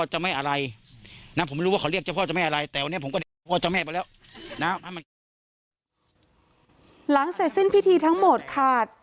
เสร็จสิ้นพิธีทั้งหมดค่ะ